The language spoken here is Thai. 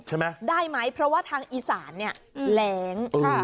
ใช่ไหมได้ไหมเพราะว่าทางอีสานเนี่ยแรง